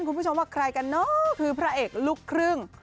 คุณผู้ชมว่าใครกันเนอะคือพระเอกลูกครึ่ง